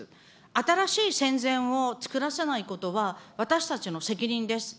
新しい戦前を作らせないことは、私たちの責任です。